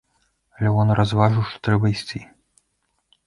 Лявон разважыў, што трэба ісці.